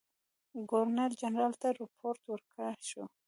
ګورنر جنرال ته رپوټ ورکړه شو.